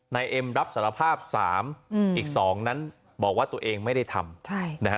นายเอ็มรับสารภาพ๓อีก๒นั้นบอกว่าตัวเองไม่ได้ทำนะฮะ